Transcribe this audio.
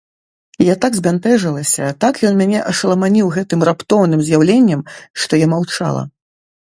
Я так збянтэжылася, так ён мяне ашаламаніў гэтым раптоўным з'яўленнем, што я маўчала.